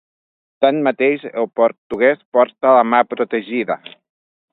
Tanmateix, el portuguès porta la mà protegida.